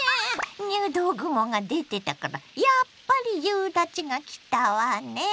入道雲が出てたからやっぱり夕立ちがきたわね！